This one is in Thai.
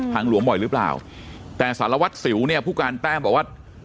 หลวงบ่อยหรือเปล่าแต่สารวัตรสิวเนี่ยผู้การแต้มบอกว่า